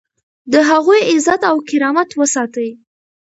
د هغوی عزت او کرامت وساتئ.